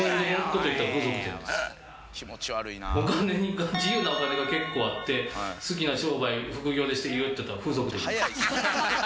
お金に自由なお金が結構あって好きな商売副業でしていいよっていったら風俗店です。